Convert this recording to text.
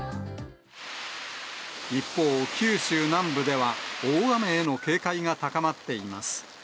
一方、九州南部では大雨への警戒が高まっています。